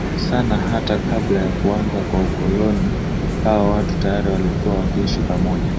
sana hata kabla ya kuanza kwa ukoloni hawa watu tayari walikuwa wakiishi pamoja